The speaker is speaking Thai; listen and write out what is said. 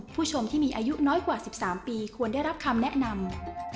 ผู้ชมที่มีอายุน้อยกว่า๑๓ปีควรได้รับคำแนะนำ